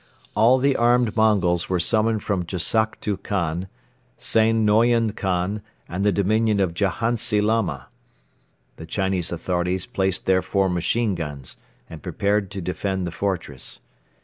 All the armed Mongols were summoned from Jassaktu Khan, Sain Noion Khan and the dominion of Jahantsi Lama. The Chinese authorities placed their four machine guns and prepared to defend the fortress.